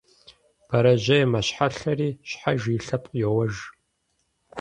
Бэрэжьей мэщхьэлъэри щхьэж и лъэпкъ йоуэж.